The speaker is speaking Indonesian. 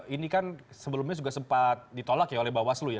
ini kan sebelumnya juga sempat ditolak ya oleh bawaslu ya